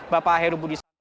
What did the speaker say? bapak heru budi